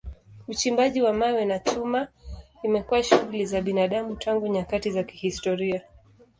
Uchimbaji wa mawe na chuma imekuwa shughuli za binadamu tangu nyakati za kihistoria.